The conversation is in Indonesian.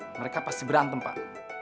mereka pasti berantem pak